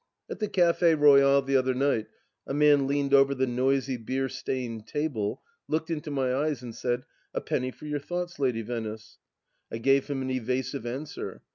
... At the Cafe Royal the other night a man leaned over the noisy, beer stained table, looked into my eyes, and said :" A penny for your thoughts, Lady Venice 1 " I gave him an evasive answer.